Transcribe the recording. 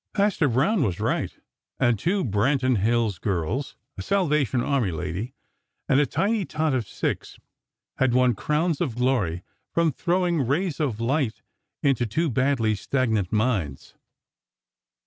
Pastor Brown was right; and two Branton Hills girls, a Salvation Army lady, and a tiny tot of six had won crowns of Glory, from throwing rays of light into two badly stagnant Minds.